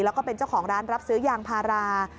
แล้วก็เป็นเจ้าของร้านรับซื้อยางพารา